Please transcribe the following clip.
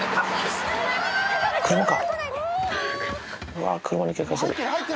車か。